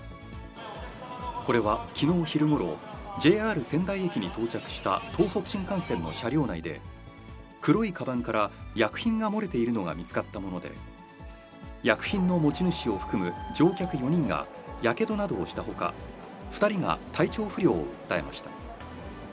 これはきのう昼ごろ、ＪＲ仙台駅に到着した東北新幹線の車両内で、黒いかばんから薬品が漏れているのが見つかったもので、薬品の持ち主を含む乗客４人がやけどなどをしたほか、２人が体調不良を訴えました。